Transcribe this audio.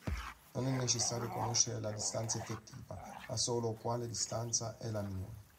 Non è necessario conoscere la distanza effettiva, ma solo quale distanza è la minore.